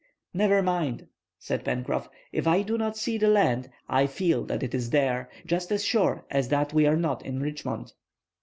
"Never mind," said Pencroff, "if I do not see the land. I feel that it is there,—just as sure as that we are not in Richmond."